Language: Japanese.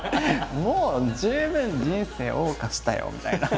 もう十分人生謳歌したよみたいな。